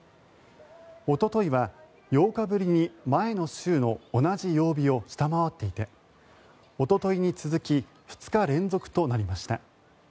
おとといは８日ぶりに前の週の同じ曜日を下回っていておとといに続き２日連続となりました。